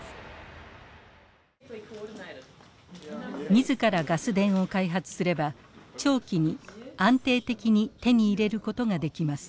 自らガス田を開発すれば長期に安定的に手に入れることができます。